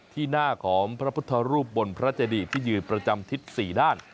ที่หน้าของพระพุทธรูปบนพระเจดีที่ยืนประจำทิศ๔ด้าน